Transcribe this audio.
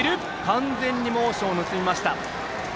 完全にモーションを盗みました。